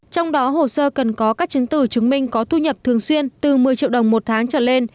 trong đó hồ sơ cần có các chứng từ chứng minh có thu nhập thường xuyên từ một mươi triệu đồng một tháng trở lên